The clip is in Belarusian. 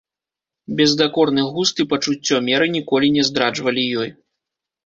Бездакорны густ і пачуццё меры ніколі не здраджвалі ёй.